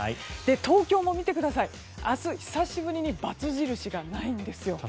東京も見てください明日、久しぶりに罰印がないんですよ。